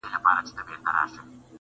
پټ په کوګل کي له انګاره سره لوبي کوي!!..